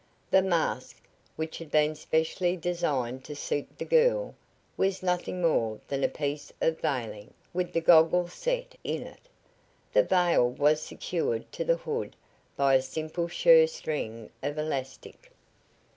The mask, which had been specially designed to suit the girl, was nothing more than a piece of veiling, with the goggles set in. The veil was secured to the hood by a simple shirr string of elastic.